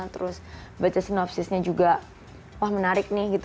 terus baca sinopsisnya juga wah menarik nih gitu